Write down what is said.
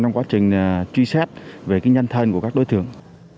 trong quá trình truy xét về nhân thân của các đối tượng